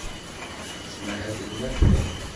Yettmahal deg unafag.